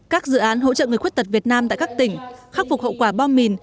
các dự án hỗ trợ người khuyết tật việt nam tại các tỉnh khắc phục hậu quả bom mìn